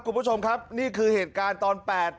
คุณผู้ชมครับนี่คือเหตุการณ์ตอนแปด